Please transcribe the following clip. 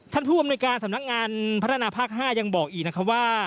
ผู้อำนวยการสำนักงานพัฒนาภาค๕ยังบอกอีกนะครับว่า